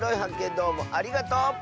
どうもありがとう！